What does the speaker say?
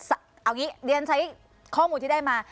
เอาอย่างนี้เรียนใช้ข้อมูลที่ได้มา